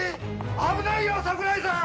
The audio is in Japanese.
危ないよ桜井さん！